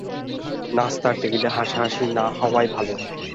নাশতার টেবিলে হাসাহসি না-হওয়াই ভালো।